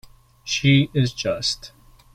She is just.